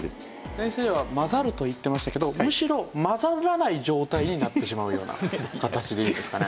先生は混ざると言っていましたけどむしろ混ざらない状態になってしまうような形でいいですかね？